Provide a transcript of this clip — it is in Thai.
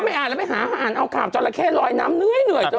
ก็แม่อ่านแล้วไปหาอ่านเอาขาบจอลลาแค่ลอยน้ำนึกให้เหนื่อย